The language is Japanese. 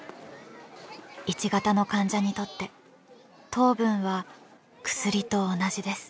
１型の患者にとって糖分は薬と同じです。